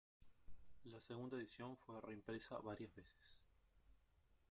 La segunda edición fue reimpresa varias veces.